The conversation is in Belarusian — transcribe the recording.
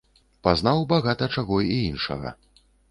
Пазнаў багата чаго і іншага.